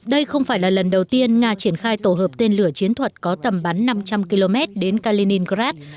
đây không phải là lần đầu tiên nga triển khai tổ hợp tên lửa chiến thuật có tầm bắn năm trăm linh km đến kaliningrad